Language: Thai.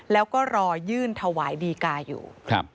แล้วก็รอยื่นถวายดีกาอยู่